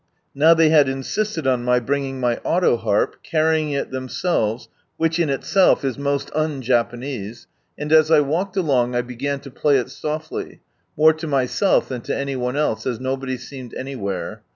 Now they had insisted on my bringing my Auto Harp, carrying it themselves, (which in itself is most un Japanese) and as 1 walked along I began to play it softly, more lo myself than to IS nobody seemed anywhere.